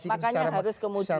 makanya harus kemudian